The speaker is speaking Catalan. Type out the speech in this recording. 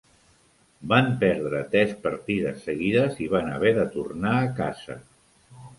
Van perdre tres partides seguides, i van haver de tornar a casa.